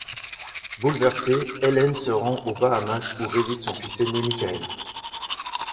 Bouleversée, Ellen se rend aux Bahamas où réside son fils aîné Michael.